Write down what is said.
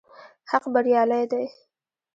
حق بريالی دی